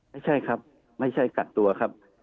ไม่ใช่ครับไม่ใช่กักตัวครับ